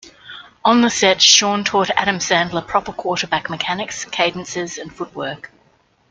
On the set, Sean taught Adam Sandler proper quarterback mechanics, cadences, and footwork.